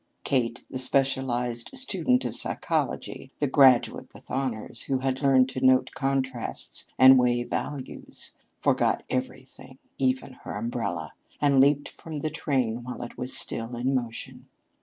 Kate, the specialized student of psychology, the graduate with honors, who had learned to note contrasts and weigh values, forgot everything (even her umbrella) and leaped from the train while it was still in motion.